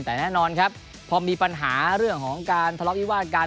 แต่แน่นอนครับพอมีปัญหาเรื่องของการทะเลาะวิวาดกัน